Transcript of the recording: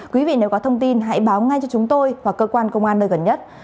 quý vị nếu có thông tin hãy báo ngay cho chúng tôi hoặc cơ quan công an nơi gần nhất